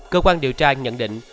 cơ quan điều tra nhận định